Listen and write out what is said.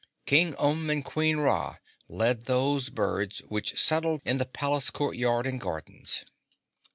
King Umb and Queen Ra led those birds which settled in the palace court yard and gardens.